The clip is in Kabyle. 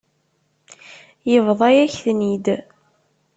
Yebḍa-yak-ten-id.